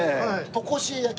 とこしえ焼き